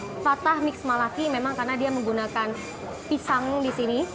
untuk yang suka manis bisa mencoba fatah mix malaki karena dia menggunakan pisang di sini